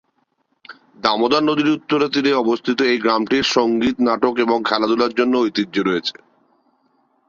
দামোদর নদীর উত্তরে তীরে অবস্থিত এই গ্রামটি সংগীত, নাটক এবং খেলাধুলার জন্য ঐতিহ্য রয়েছে।